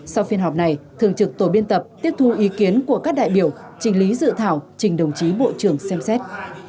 sau phiên họp này thường trực tổ biên tập tiếp thu ý kiến của các đại biểu trình lý dự thảo trình đồng chí bộ trưởng xem xét